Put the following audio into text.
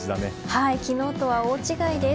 はい、昨日とは大違いです。